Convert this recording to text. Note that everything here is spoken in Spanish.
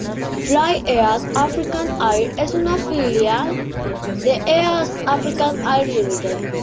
Fly East African Air es una filial de East African Air Limited.